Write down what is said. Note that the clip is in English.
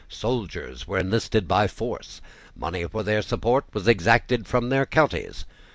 Soldiers were enlisted by force. Money for their support was exacted from their counties.